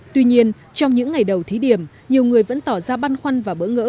tuy nhiên trong những ngày đầu thí điểm nhiều người vẫn tỏ ra băn khoăn và bỡ ngỡ